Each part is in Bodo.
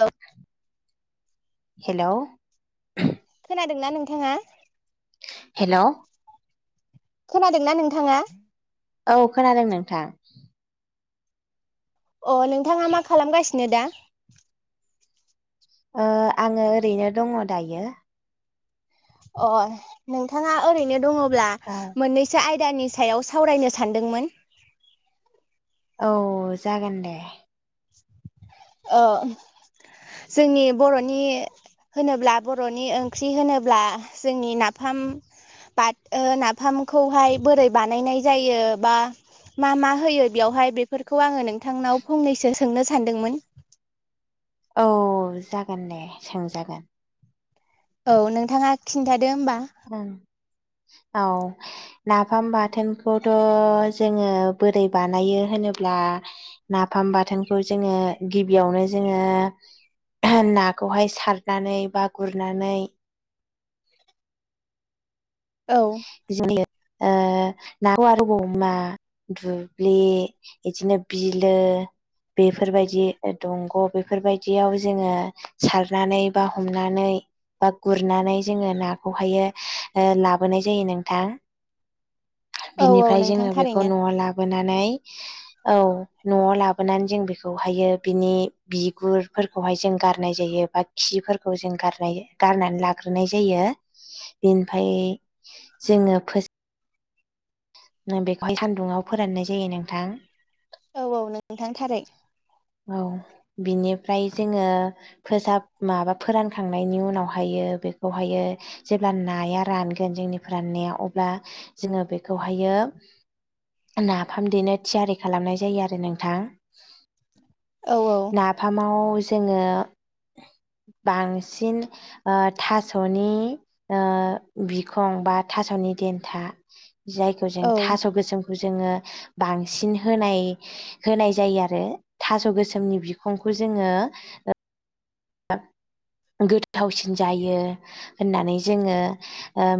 औ हेल खोनादोंना नोंथाङा हेल खोनादोंना नोंथाङा औ खोनादों नोंथां अ नोंथाङा मा खालामगासिनो दा ओ आङो ओरैनो दङ दायो अ नोंथाङा ओरैनो दङ ब्ला औ मोननैसो आय दानि सायाव सावरायनो सानदोंमोन औ जागोन दे ओ जोंनि बरनि होनोब्ला बरनि ओंख्रि होनोब्ला जोंनि नाफाम बाथ ओ नाफामखौहाय बोरै बानायनाय जायो बा मा मा होयो बेयावहाय बेफोरखौ आङो नों थांनाव फंनैसो सोंनो सान्दोंमोन औ जागोन दे सोंजागोन औ नोंथाङा खिन्था दो होमबा ओं औ नाफाम बाथोनखौथ जोङो बोरै बानायो होनोब्ला नाफाम बाथोनखौ जोङो गिबियावनो जोङो नाखौहाय सारनानै बा गुरनानै औ [unintelligible] ओ नाखौ आरो [unintelligible] मा दुब्लि बिदिनो बिलो बेफोरबायदि दंग बेफोरबायदियाव जोङो सारनानै बा हमनानै बा गुरनानै जोङो नाखौहायो ला बोनाय जायो नोंथां औ औ बिनिफ्राय नोंथां जोङो बेखौ थारैनो नआव लाबोनानै औ नआव लाबोनानै जों बेखौहायो बिनि बिगुरफोरखौहाय जों गारनाय जायो बा खिफोरखौ जों गारनाय गारनानै लाग्रोनाय जायो बेनिफ्राय जोङो फोस नो बेखौहाय सान्दुंङाव फोराननाय जायो नोंथां औ औ नोंथां थारै औ बिनिफ्राय जोङो फोसाब माबा फोरानखांनायनि उनावहायो बेखौहायो जेब्ला नाया रानगोन जोंनि फोराननाया अब्ला जोङो बेखौहायो नाफाम देनो थियारि खालामनाय जायो आरो नोंथां औ औ नाफामाव जोङो बांसिन थासनि बिखं बा थासनि देन्था जायखौ जों औ थास गोसोमखौ जोङो बांसिन होनाय होनाय जायो आरो थासगोसोमनि बिखंखौ जोङो गोथावसिन जायो होननानै जोङो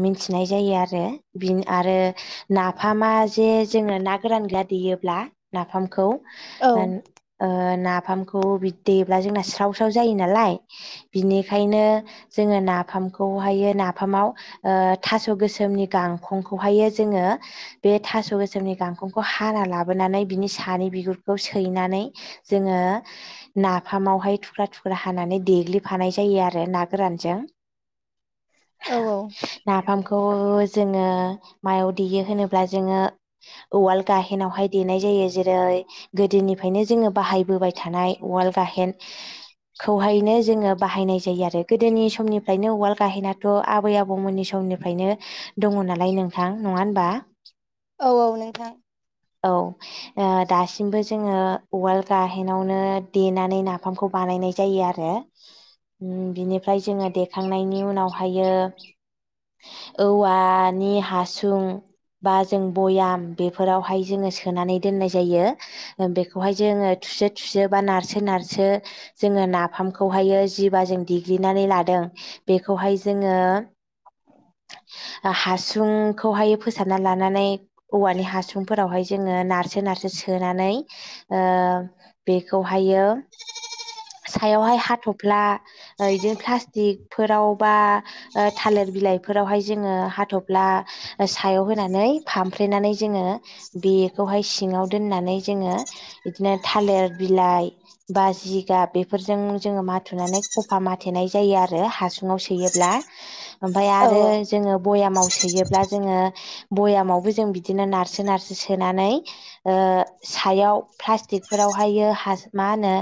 मिथिनाय जायो आरो बि आरो ना नाफामा जे जोंनो ना गोरान गैया देयोब्ला नाफामखौ औ आ ना नाफामखौ बि दैब्ला जोंना स्राव स्राव जायो नाला लाय बिनिखायनो जोङो नाफामखौहायो नाफामाव थासगोसोमनि गांखंखौहायो जोङो बे थासगोसोमनि गांखंखौ हाना लाबोनानै बिनि सानै बिगुरखौ सैनानै जोङो नाफामावहाय थुख्रा थुख फोर हानानै देग्लिफानाय जायो आरो ना गोरानजों। औ नाफामखौ जोङो मायाव देयो होनोब्ला जोङो उवाल गाहेनावहाय देनाय जायो जेरै गोदोनिफ्रायनो जोङो बाहायबोबाय थानाय उवाल गाहेन। खौहायनो जोङो बाहायनाय जायो आरो गोदोनि समनिफ्रायनो उवाल गाहायनाथआबै आबौमोननि समनिफ्रायनो दङ नालाय नोंथां नङा होबा? औ औ नोंथां औ ओ दासिमबो जोङो उवाल गाहेनावनो देनानै नाफामखौ बानायनाय जायो आरो बिनिफ्राय जोङो देखांनायनि उनावहायो औवानि हासुं बा जों बयाम बेफोरावहाय जोङो सोनानै दोननाय जायो बेखौहाय जोङो थुसो थुसो बा नारसो नारसो जोङो नाफामखौहायो जिबा जों देग्लिनानै लादों बेखौहाय जोङो हासुंखौहाय फोसाबना लानानै औवानि हासुंफोरावहाय जोङो नारसो नारसो सोनानै ओ बेखौहायो- सायावहाय हाथफ्ला ओ इदिनो प्लास्टिकफोराव बा थालिर बिलाइफोरावहाय जोङो हाथफ्ला सायाव होनानै फामफ्रेनानै जोङो बेखौहाय सिङाव दोननानै जोङो इदिनो थालिर बिलाइ बाजि जा बेफोर ओमफ्राय औ आरो जोङो बयामाव- सोयोब्ला जोङो बयावबो जों बिदिनो नारसो नारसो सोनानै ओ सायाव प्लास्टिकफोरावहायो माहोनो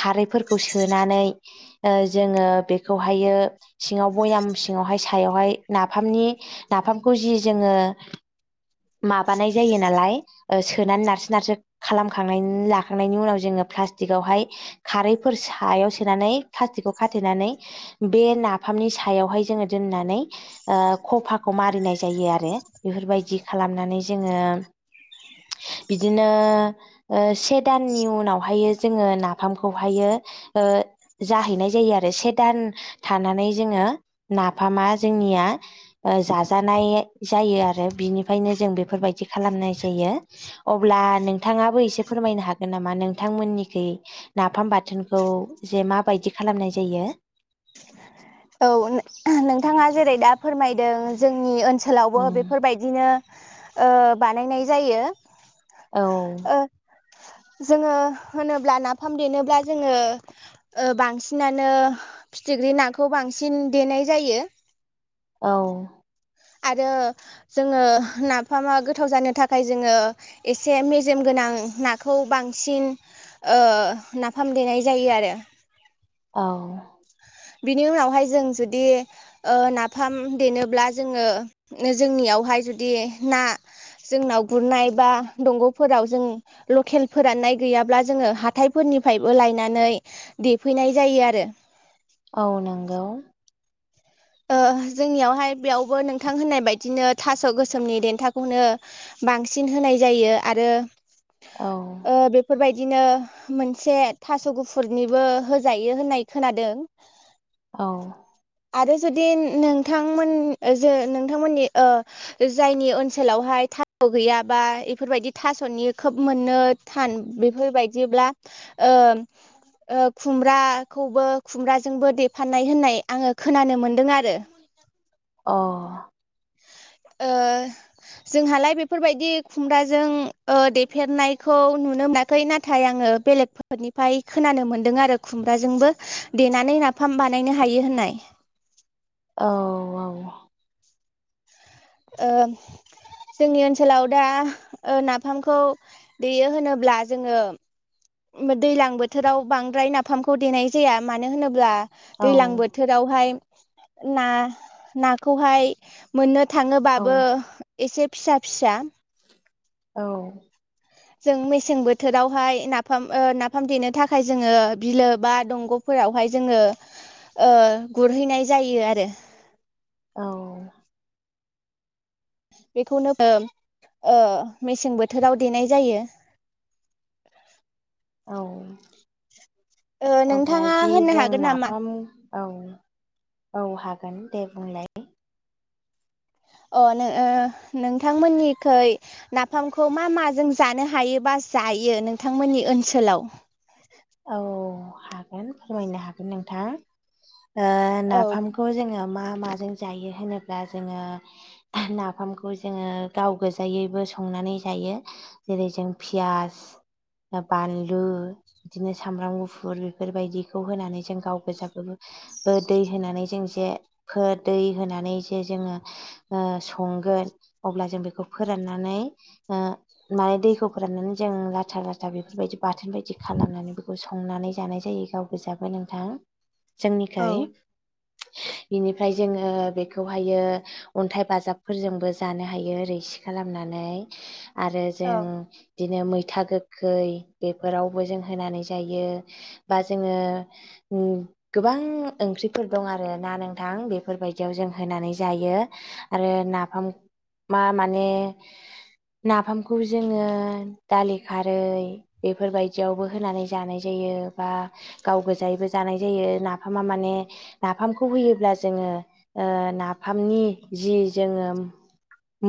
खारैफोरखौ सोनानै जोङो बेखौहायो सिङाव बयाम सिङावहाय सायावहाय नाफामनि नाफामखौ जि जोङो माबानाय जायो नालाय सोनानै नारसो नारसो खालामखांनायनि लाखांनायनि उनाव जोङो प्लास्टिकआवहाय- खारैफोर सायाव सोनानै प्लास्टिकखौ खाथेनानै बे नाफामनि सायावहाय जोङो दोननानै ओ खफाखौ मारिनाय जायो आरो बेफोरबायदि खालामनानै जोङो बिदिनो ओ से दाननि उनावहाय जोङो नाफा फामखौहायो ओ जाहैनाय जायो आरो से दान थानानै जोङो नाफामा जोंनिया ओ जाजानाय जायो आरो बिनिफ्रायनो जों बेफोरबायदि खालामनाय जायो अब्ला नोंथाङाबो एसे फोरमायनो हागोन नामा नोंथांमोननिखै- नाफाम बाथोनखौ जे माबायदि खालामनाय जायो- औ नोंथाङा जेरै दा फोरमायदों जोंनि ओनसो खालावबो उम बेफोरबायदिनो ओ बानायनाय जायो औ ओ जोङो होनोब्ला नाफाम देनोब्ला जोङो ओ बांसिनानो फिथिख्रि ना खौ बांसिन देनाय जायो। औ आरो जोङो नाफामा गोथाव जानो थाखाय जोङो एसे मेजेम गोनां नाखौ बांसिन ओ नाफाम देनाय जायो आरो औ बिनि उनावहाय जों जुदि ओ नाफाम देनोब्ला जोङो जोंनियावहाय जुदि ना जोंनाव गुरनाय बा दंगफोराव जों लकेल फोराननाय गैयाब्ला जोङो हाथायफोरनिफ्रायबो लायनानै देफैनाय जायो आरो। औ नांगौ। ओ जोंनियावहाय बेयावबो नोंथां होननाय बायदिनो थास' गोसोमनि देन्थाखौनो बांसिन होनाय जायो आरो- औ ओ बेफोरबाय बिदिनो मोनसे थास' गुफुरनिबो होजायो होननाय खोनादों औ आरो जुदि नोंथांमोन जो नोंथांमोननि ओ जायनि ओनसोलावहाय थास'गैया बा बेफोरबायदि थास'नि खोब मोननो थान बेफोरबायदिब्ला खुमब्राखौबो खुमब्राजोंबो देफाननाय होननाय आङो- खोनानो मोन्दों आरो। अ ओ जोंहालाय बेफोरबायदि खुमब्राजों देफेरनायखौ नुनो मोनाखै नाथाय आङो बेलेगफोरनिफ्राय खोनानो मोनदों आरो खुमब्राजोंबो देनानै नाफाम बानायनो हायो होननाय। औ औ ओ जोंनि ओनसोलाव दा नाफामखौ देयो होनोब्ला जोङो- दैलां बोथोराव बांद्राय नाफामखौ देनाय जाया मानो होनोब्ला- औ दैलां बोथोरावहाय- ना नाखौहाय मोननो औ थाङोबाबो एसे- फिसा फिसा औ जों मेसें बोथोरावहाय नाफाम ओ नाफाम देनो थाखाय जोंङो बिलो बा दंगफोरावहाय जोंङो ओ गुरहैनाय जायो आरो। औ बेखौनो ओ ओ मेसें बोथोराव देनाय जायो। औ ओ अब्ला नोंथाङा जि होननो जों हागोन नामा नाफाम औ औ हागोन दे बुंलाय अ नो ओ नोंथांमोननिखै नाफामखौ मा माजों जानो हायोबा जायो नोंथांमोननि ओनसोलाव औ हागोन फोरमायनो हागोन नोंथां। ओ औ नाफामखौ जोंङो मा माजों जायो होनोब्ला जोंङो नाफामखौ जोंङो गाव गोजायैबो संनानै जायो। जेरै जों पियाज, बानलु दिनो सामब्राम गुफुर बेफोरबायदिखौ होनानै जों गाव गोजाबो दै होनानै जों जे फो दै होनानै जे जोंङो ओ संगोन अब्ला जों बेखौ फोराननानै ओ माने दैखौ फोराननानै जों लाथा लाथा बेफोरबायदि बाथोन बायदि खालामनानै बेखौ संनानै जानाय जायो गाव गोजाबो नोंथां औ जांनिखोय इनिफ्राय जोंङो बेखौहायो अन्थाइ बाजाबफोरजोंबो जानो हायो रैसि खालामनानै आरो औ जों बिदिनो मैथा गोखै बेफोराव बो जों हानानै जायो बा जोंङो ओम गोबां ओंख्रिफोर दं आरो ना नोंथां बेफोरबायदियाव जों होनानै जायो आरो नफामा माने नाफामखौ जोंङो दालि खारै बेफोरबाय बिदियावबो होनानै जानाय जायो बा गाव गोजायैबो जानाय जायो नाफामा माने नाफामखौ होयोब्ला जोंङो ओ नाफामनि जि जोंङो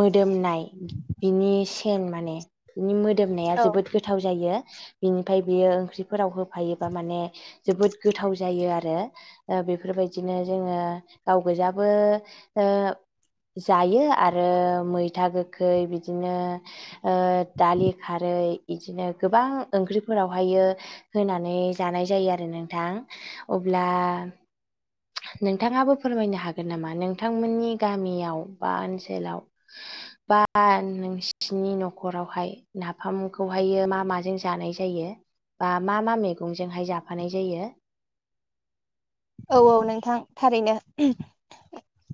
मोदोमनाय बिनि सेन माने बिनि मोदोमनाया औ जोबोद गोथाव जायो। [inaudible] बिनिफ्राय बेयो ओंख्रि फोराव होफायोबा माने जोबोद गोथाव जायो आर रो बेफोरबायदिनो जोंङो गाव गोजाबो ओ जायो आरो मैथा गोखै बिदिनो ओ दालि खारै इदिनो गोबां ओंख्रिफोराव हायो होनानै जानाय जायो आरो नोंथां अब्ला नोंथाङाबो फोरमायनो हागोन नामा नोंथांमोननि गामियाव बा ओनसोलाव बा नोंसिनि नखरावहाय नाफामखौहाय मा माजों जानाय जायो बा मा मा मैगं जोंहाइ जाफानाय जायो? औ औ नोंथां थारैनो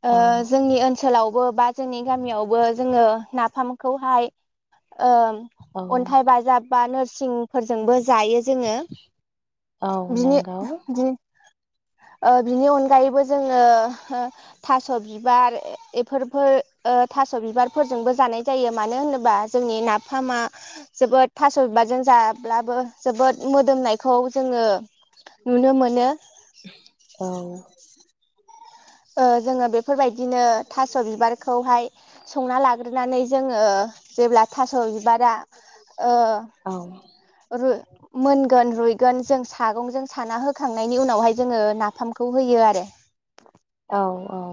ओ औ जोंनि ओनसोलाव ग बा जोंनि गामियावबो जोंङो नाफामखौहाय ओ औ अन्थाइ बाजाब बा नोर सिंफोरजोंबो जायो जोंङो। औ बिनि नंगौ बि ओ बिनि अनगायैबो जोंङो ओ थास बिबार इफोरफोर थास' बिबारफोरजोंबो जानाय जायो मानो होनोबा जोंनि नाफामा जोबोद थास' बिबारजों जाब्लाबो जोबोद मोदोमनायखौ जोङो नुनो मोनो। औ ओ जोंङो बेफोरबायदिनो थास' बिबारखौहाय संना लाग्रोनानै जोंङो जेब्ला थास' बिबारा ओ रु मोनगोन रुयगोन जों सागं जों साना होखांनायनि उनावहाय जोंङो नाफामखौ होयो आरो। औ औ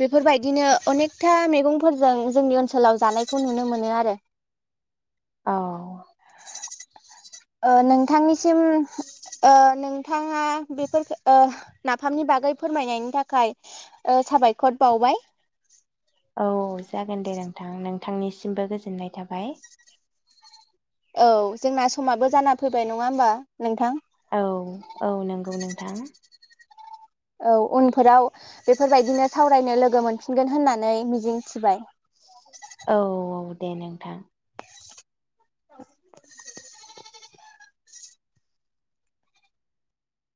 बेफोरबायदिनो अनेकथा मेगंफोरजों जोंनि ओनसोलाव जानायखौ नुनो मोनो आरो। औ ओ नोंथांनिसिम ओ नोंथाङा बेफोरख ओ नाफामनि बागै फोरमायनायनि थाखाय ओ साबायखर बावबाय औ जागोन दे नोंथां नोंथांनिसिमबो गोजोननाय थाबाय औ जोंना समाबो जाना फैबाय नङा होमबा नोंथां औ औ नोंगौ नों थां औ उनफोराव बेफोर बायदिनो सावरायनो लोगो मोनफिनगोन होननानै मिजिं थिबाय औ औ दे नोंथां औ